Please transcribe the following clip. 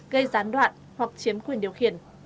gây gián đoạn hoặc chiếm quyền điều khiển